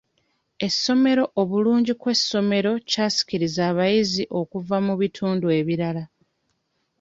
Essomero obulungi kw'essomero kyasikiriza abayizi okuvu mu bitundu ebirala.